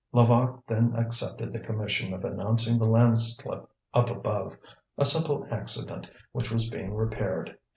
Levaque then accepted the commission of announcing the landslip up above a simple accident, which was being repaired.